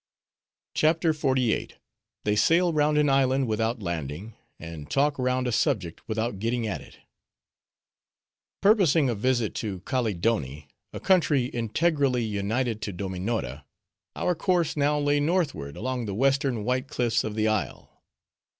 CHAPTER XLVIII. They Sail Round An Island Without Landing; And Talk Round A Subject Without Getting At It Purposing a visit to Kaleedoni, a country integrally united to Dominora, our course now lay northward along the western white cliffs of the isle.